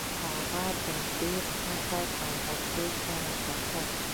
هغه په ډیر قهر او غوسه سره کتل